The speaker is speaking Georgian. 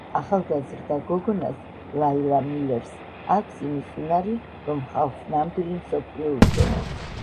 ახალგაზრდა გოგნას, ლაილა მილერს, აქვს იმის უნარი, რომ ხალხს ნამდვილი მსოფლიო უჩვენოს.